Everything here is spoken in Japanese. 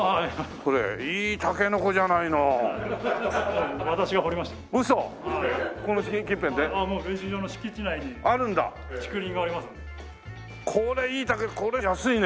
これいいタケノコこれ安いね。